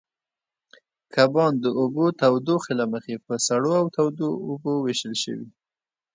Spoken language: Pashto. کبان د اوبو تودوخې له مخې په سړو او تودو اوبو وېشل شوي.